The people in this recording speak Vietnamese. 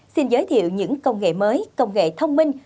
xin giới thiệu những công nghệ mới công nghệ thông minh